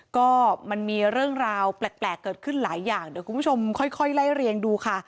ก็มันมีเรื่องราวแปลกเกิดขึ้นหลายอย่างเดี๋ยวคุณผู้ชมค่อยไล่เรียงดูค่ะ